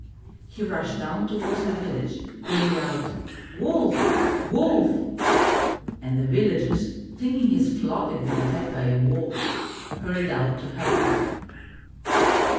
He rushed down toward the village, calling out, ''Wolf! Wolf!'' and the villagers, thinking his flock had been attacked by a wolf, hurried out to help him.